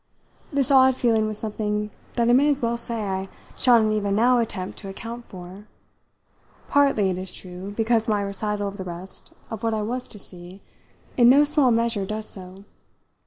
This odd feeling was something that I may as well say I shall not even now attempt to account for partly, it is true, because my recital of the rest of what I was to see in no small measure does so.